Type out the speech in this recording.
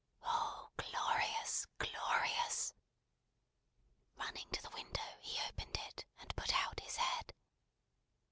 Oh, glorious, glorious! Running to the window, he opened it, and put out his head.